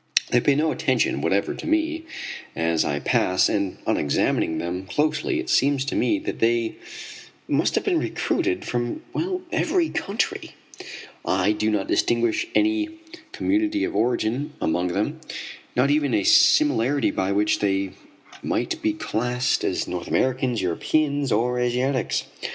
They pay no attention whatever to me as I pass, and on examining them closely it seems to me that they must have been recruited from every country. I do not distinguish any community of origin among them, not even a similarity by which they might be classed as North Americans, Europeans or Asiatics.